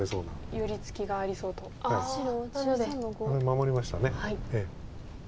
守りました。